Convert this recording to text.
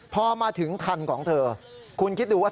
พอมาถึงคันของเธอคุณคิดดูว่า